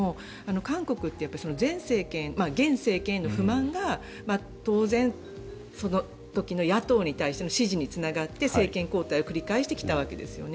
韓国って前政権現政権への不満が当然、その時の野党に対しての支持につながって政権交代を繰り返してきたわけですよね。